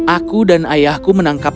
aku dan ayahku menangkap